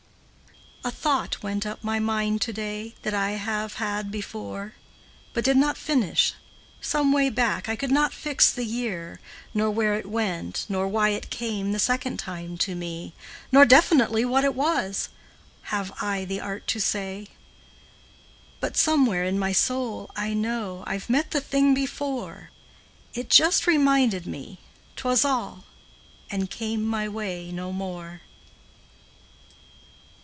A thought went up my mind to day That I have had before, But did not finish, some way back, I could not fix the year, Nor where it went, nor why it came The second time to me, Nor definitely what it was, Have I the art to say. But somewhere in my soul, I know I 've met the thing before; It just reminded me 't was all And came my way no more.